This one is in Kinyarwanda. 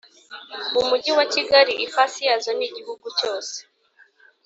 mu mujyi wa kigali ifasi yazo ni igihugu cyose